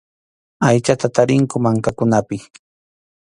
Aychata tarinku mankakunapi.